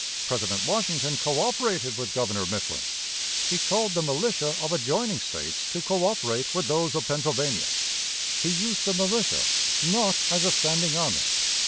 President Washington coöperated with Governor Mifflin; he called the militia of adjoining States to coöperate with those of Pennsylvania. He used the militia, not as a standing army.